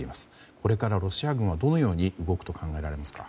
これからロシア軍は、どのように動くと考えられますか。